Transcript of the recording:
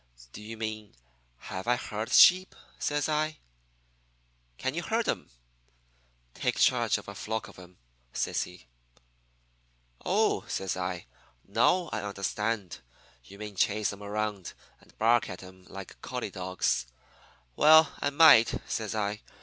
"'Do you mean have I heard sheep?' says I. "'Can you herd 'em take charge of a flock of 'em?' says he. "'Oh,' says I, 'now I understand. You mean chase 'em around and bark at 'em like collie dogs. Well, I might,' says I.